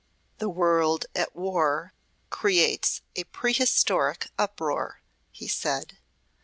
"The world at war creates a prehistoric uproar," he said.